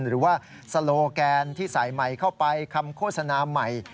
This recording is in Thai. หรือว่าโซโลแกนที่ใส่ใหม่เข้าไปคำโฆษณาใหม่